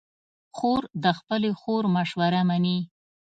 خور د خپلې خور مشوره منې.